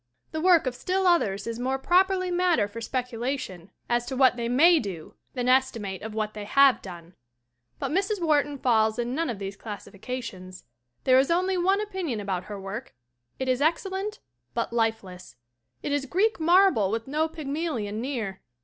The work of 6 THE WOMEN WHO MAKE OUR NOVELS still others is more properly matter for speculation as to what they may do than estimate of what they have done. But Mrs. Wharton falls in none of these classifications. There is only one opinion about her work: it is excellent but lifeless; it is Greek marble with no Pygmalion near.